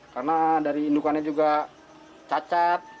karena dari indukannya juga cacat